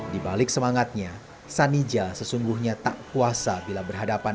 di balik semangatnya sanija sesungguhnya tak kuasa bila berhadapan